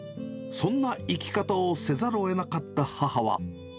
そんな生き方をせざるをえなかった母は。